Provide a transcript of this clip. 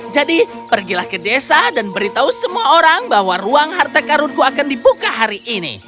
jadi pergilah ke desa dan beritahu semua orang bahwa ruang harta karunku akan dibuka hari ini